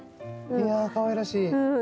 いやぁかわいらしい。